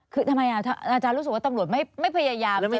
คือทำไมอาจารย์รู้สึกว่าตำรวจไม่พยายาม